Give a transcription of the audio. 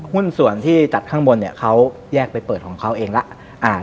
หุ้นส่วนที่จัดข้างบนเนี่ยเขาแยกไปเปิดของเขาเองแล้ว